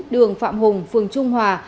đường phạm hùng phường trung hòa